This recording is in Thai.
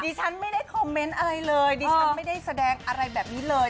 ฉันไม่ได้คอมเมนต์อะไรเลยดิฉันไม่ได้แสดงอะไรแบบนี้เลย